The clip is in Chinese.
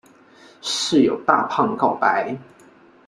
室友大胖告白。